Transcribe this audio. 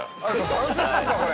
◆番宣ですか、これ。